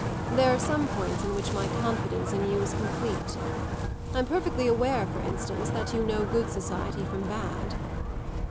"There are some points in which my confidence in you is complete. I'm perfectly aware, for instance, that you know good society from bad."